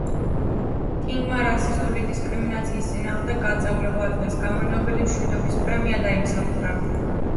კინგმა რასისტული დისკრიმინაციის წინააღმდეგ გაწეული ღვაწლის გამო ნობელის მშვიდობის პრემია დაიმსახურა.